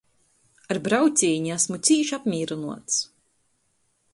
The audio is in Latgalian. Ar braucīni asmu cīš apmīrynuots.